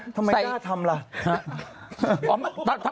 ทำไมกล้าทำล่ะ